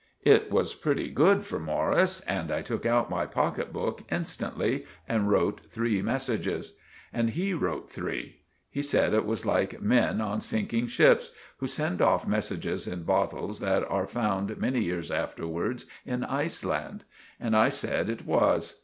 It was pretty good for Morris, and I took out my pocket book instantly and wrote three messages. And he wrote three. He sed it was like men on sinking ships, who send off messages in bottles that are found many years afterwards in Iceland. And I said it was.